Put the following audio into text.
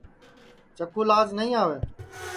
چکُو لاج نائی آوے